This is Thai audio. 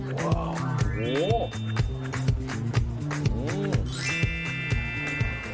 ว้าวโอ้โฮอืมโอ้โฮ